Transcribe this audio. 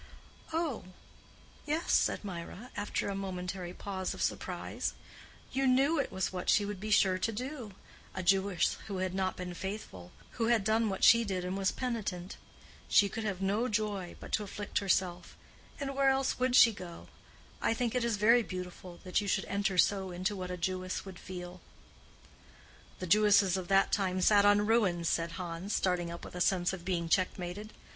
"Oh, yes," said Mirah, after a momentary pause of surprise. "You knew it was what she would be sure to do—a Jewess who had not been faithful—who had done what she did and was penitent. She could have no joy but to afflict herself; and where else would she go? I think it is very beautiful that you should enter so into what a Jewess would feel." "The Jewesses of that time sat on ruins," said Hans, starting up with a sense of being checkmated.